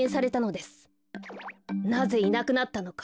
なぜいなくなったのか。